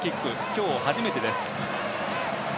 今日、初めてです。